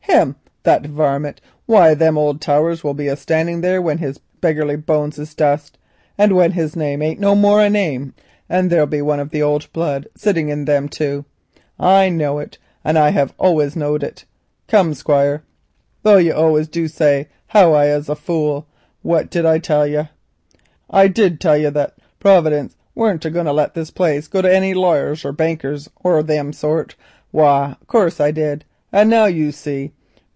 Him—that varmint! Why, them old towers will be a standing there when his beggarly bones is dust, and when his name ain't no more a name; and there'll be one of the old blood sitting in them too. I knaw it, and I hev allus knawed it. Come, Squire, though you allus du say how as I'm a fule, what did I tell yer? Didn't I tell yer that Prowidence weren't a going to let this place go to any laryers or bankers or thim sort? Why, in course I did. And now you see.